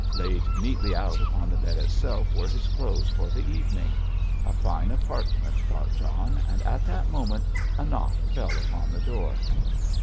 Laid neatly out upon the bed itself were his clothes for the evening. A fine apartment, thought John, and at that moment a knock fell upon the door.